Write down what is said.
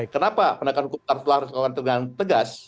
kenapa pendekatan hukum kartu telah harus dilakukan dengan tegas